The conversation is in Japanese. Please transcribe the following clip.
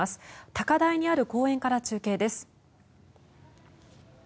高台にある公園から中継です。